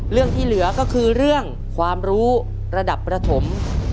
เรื่องที่เหลือก็คือเรื่องความรู้ระดับประถม